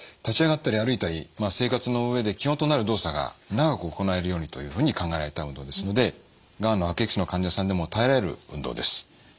立ち上がったり歩いたり生活の上で基本となる動作が長く行えるようにというふうに考えられた運動ですのでがん悪液質の患者さんでも耐えられる運動です。